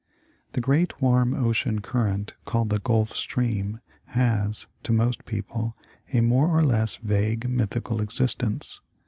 The great warm ocean current called the Gulf Stream has, to most people, a more or less vague, mythical existence.